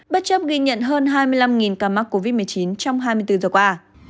bất chấp ghi nhận hơn hai mươi năm ca mắc covid một mươi chín trong hai mươi bốn giờ qua